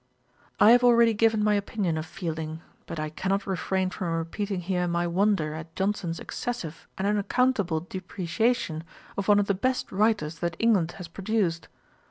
I have already given my opinion of Fielding; but I cannot refrain from repeating here my wonder at Johnson's excessive and unaccountable depreciation of one of the best writers that England has produced.